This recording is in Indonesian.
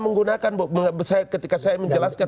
menggunakan ketika saya menjelaskan